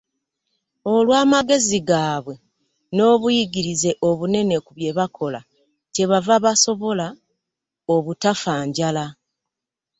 Olw'amagezi gaabwe n'obuyigirize obunene ku bye bakola kye bava basobola obutafa njala.